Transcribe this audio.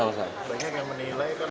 banyak yang menilai